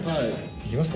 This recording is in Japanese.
行きますか？